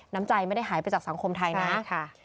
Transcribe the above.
น้ำใจไม่ได้หายไปจากสังคมไทยนะครับค่ะค่ะ